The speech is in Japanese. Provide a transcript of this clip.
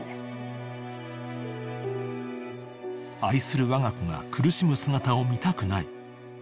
［愛するわが子が苦しむ姿を見たくない］